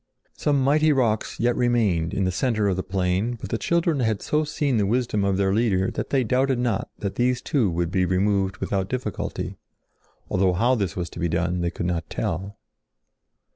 Some mighty rocks yet remained in the center of the plain but the children had so seen the wisdom of their Leader that they doubted not that these too would be removed without difficulty, although how this was to be done they could not tell.